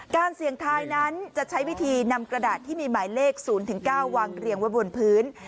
เสี่ยงทายนั้นจะใช้วิธีนำกระดาษที่มีหมายเลข๐๙วางเรียงไว้บนพื้น